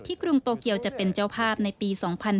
กรุงโตเกียวจะเป็นเจ้าภาพในปี๒๕๕๙